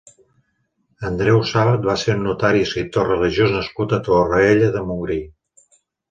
Andreu Sàbat va ser un notari i escriptor religiós nascut a Torroella de Montgrí.